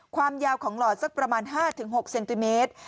ความยาวของหลอดสักประมาณ๕๖เซนติเมตร